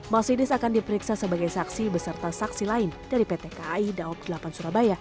masinis akan diperiksa sebagai saksi beserta saksi lain dari pt kai daob delapan surabaya